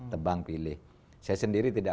tebang pilih saya sendiri tidak